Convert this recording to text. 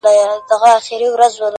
• هره شپه به مي کتاب درسره مل وي ,